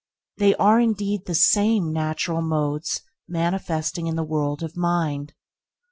They are indeed the same natural modes manifesting in the world of mind.